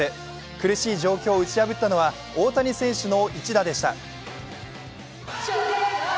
苦しい状況を打ち破ったのは大谷選手の一打でした。